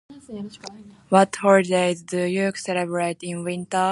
What holidays do you celebrate in winter?